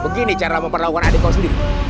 begini cara memperlakukan adik kau sendiri